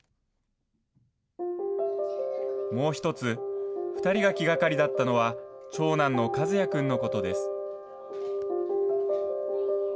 もう１つ、２人が気がかりだったのは、長男の和弥くんのことです。